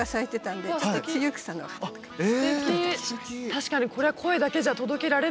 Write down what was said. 確かにこれは声だけじゃ届けられない。